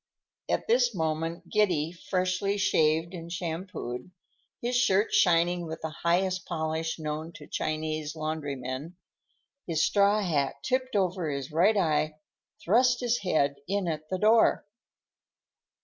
At this moment Giddy, freshly shaved and shampooed, his shirt shining with the highest polish known to Chinese laundrymen, his straw hat tipped over his right eye, thrust his head in at the door.